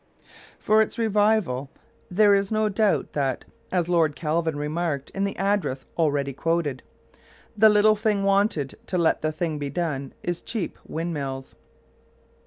For its revival there is no doubt that, as Lord Kelvin remarked in the address already quoted, "the little thing wanted to let the thing be done is cheap windmills."